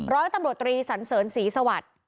ร้อยตำรวจลีสันเสริญศีรสวรรค์